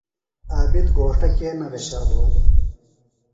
عابد گھوݜٹہ کے نہ بھیشا بھولوۡ؟